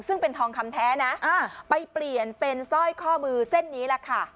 ซึ่งเป็นทองคำแท้นะไปเปลี่ยนเป็นสร้อยข้อมือเส้นนี้แหละค่ะ